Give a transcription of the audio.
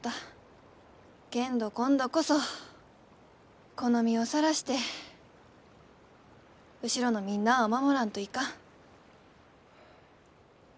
けんど今度こそこの身をさらして後ろのみんなあを守らんといかん。